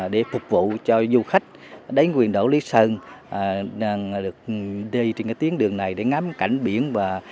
để phục vụ cho du khách đến huyện đảo lý sơn được đi trên tiếng đường này để ngắm cảnh biển